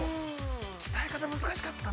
◆鍛え方が、難しかったんだ。